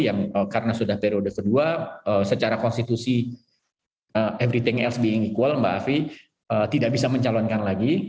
yang karena sudah periode kedua secara konstitusi everything els being equal mbak afi tidak bisa mencalonkan lagi